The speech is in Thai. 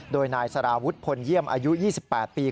โดยนายสารวุฒิพลเยี่ยมอายุ๒๘ปี